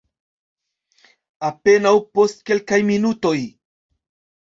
Apenaŭ post kelkaj minutoj.